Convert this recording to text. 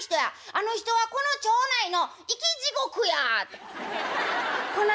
あの人はこの町内の生き地獄や』とこない